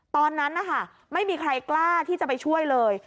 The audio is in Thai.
ตอนนั้นนะคะไม่มีใครกล้าที่จะไปช่วยเลย